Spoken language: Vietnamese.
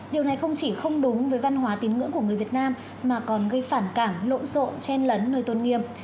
điều này không chỉ không đúng với văn hóa tín ngữ của người việt nam mà còn gây phản cảm lộn rộn trên lấn nơi tôn nghiêm